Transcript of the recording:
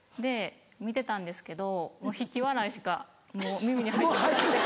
見てたんですけど引き笑いしかもう耳に入って来なくて。